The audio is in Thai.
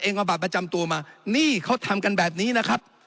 เอาบัตรประจำตัวมานี่เขาทำกันแบบนี้นะครับ